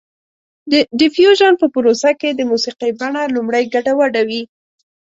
د ډیفیوژن په پروسه کې د موسیقۍ بڼه لومړی ګډه وډه وي